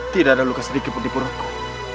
tidak ada luka sedikit pun di purwoko